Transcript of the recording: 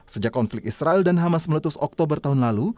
sejak konflik israel dan hamas meletus oktober tahun lalu